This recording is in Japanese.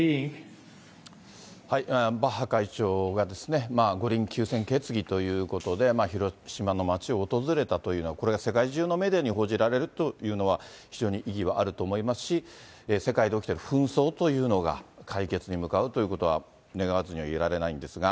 バッハ会長が五輪休戦決議ということで、広島の街を訪れたというのは、これが世界中のメディアに報じられるというのは、非常に意義はあると思いますし、世界で起きてる紛争というのが解決に向かうということは、願わずにはいられないんですが。